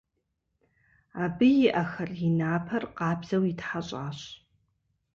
Абы и ӏэхэр, и напэр къабзэу итхьэщӏащ.